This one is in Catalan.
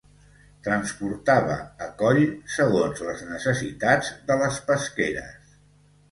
transportava a coll segons les necessitats de les pesqueres.